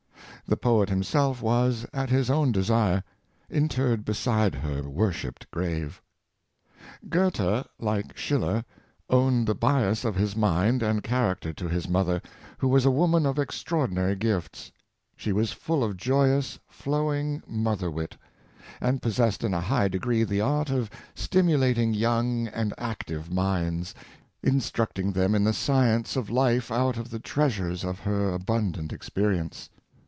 The poet himself was, at his own desire, interred beside her worshipped grave. Goethe, like Schiller, owed the bias of his mind and character to his mother, who was a woman of extraor dinary gifts. She was full of joyous, flowing mother wit, and possessed in a high degree the art of stimula ting young and active minds, instructing them in the science of life out of the treasures of her abundant ex perience.